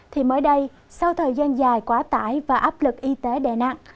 thì mới đây sau thời gian dài quá tải và áp lực y tế đè nặng